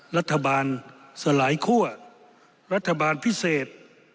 รัฐบาลสลายคั่วรัฐบาลพิเศษ